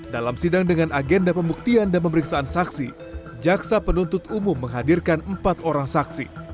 dalam sidang dengan agenda pembuktian dan pemeriksaan saksi jaksa penuntut umum menghadirkan empat orang saksi